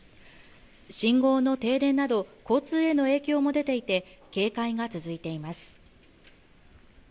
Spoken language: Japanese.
信号の停電など交通への影響も出ていて警戒が続いています